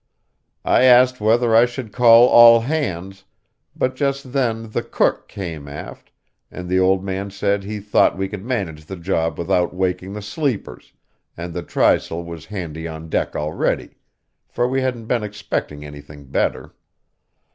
I asked whether I should call all hands, but just then the cook came aft, and the old man said he thought we could manage the job without waking the sleepers, and the trysail was handy on deck already, for we hadn't been expecting anything better.